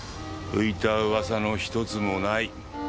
浮いた噂の一つもない。